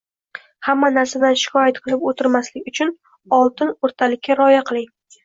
hamma narsadan shikoyat qilib o‘tirmaslik uchun oltin o‘rtalikka rioya qiling.